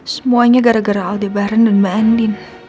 semuanya gara gara aldebaran dan mbak andin